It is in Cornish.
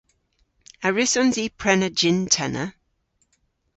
A wrussons i prena jynn-tenna?